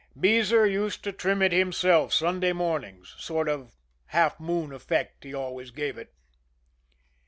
Beezer used to trim it himself Sunday mornings sort of half moon effect he always gave it.